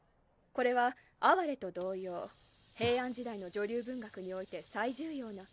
これは「あはれ」と同様平安時代の女流文学において最重要な。